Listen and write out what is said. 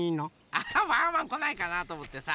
アハッ！ワンワンこないかなとおもってさ